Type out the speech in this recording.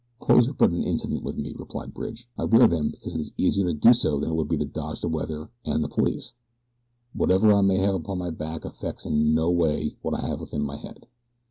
"Clothes are but an incident with me," replied Bridge. "I wear them because it is easier to do so than it would be to dodge the weather and the police. Whatever I may have upon my back affects in no way what I have within my head.